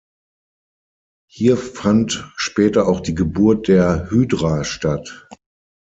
Hier fand später auch die Geburt der Hydra statt.